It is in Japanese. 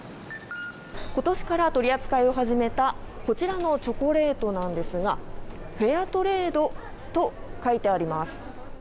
ことしから取り扱いを始めたこちらのチョコレートなんですが、フェアトレードと書いてあります。